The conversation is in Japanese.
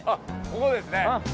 ここですね。